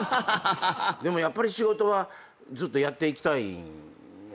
でもやっぱり仕事はずっとやっていきたいんやね。